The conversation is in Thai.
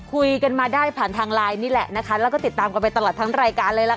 คุยกันมาได้ผ่านทางไลน์นี่แหละนะคะแล้วก็ติดตามกันไปตลอดทั้งรายการเลยล่ะค่ะ